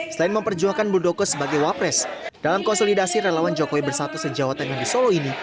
selain memperjuangkan muldoko sebagai wapres dalam konsolidasi relawan jokowi bersatu se jawa tengah di solo ini